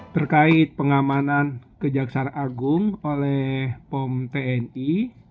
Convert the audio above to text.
terkait pengamanan kejaksaan agung oleh pom tni